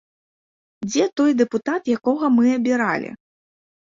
Дзе той дэпутат, якога мы абіралі?